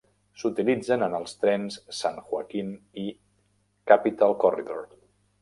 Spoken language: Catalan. S'utilitzen en els trens "San Joaquin" i "Capital Corridor".